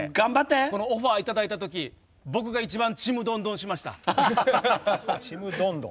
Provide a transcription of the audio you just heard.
このオファーいただいたとき僕が一番ちむどんどんしました。